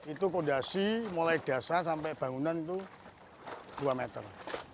itu kondisi mulai dasar sampai bangunan itu dua meter